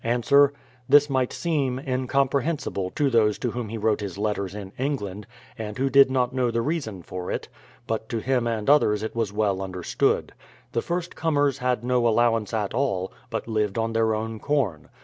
Ans : This might seem incomprehensible to those to whom he wrote his letters in England, and who did not know the reason for it ; but to him and others it was well understood. The first comers had no allowance at all, but lived on their own corn.